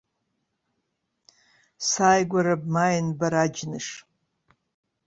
Сааигәара бмааин, бара аџьныш!